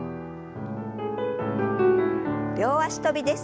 両脚跳びです。